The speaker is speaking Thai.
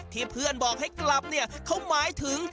เพื่อนบอกให้กลับเนี่ยเขาหมายถึง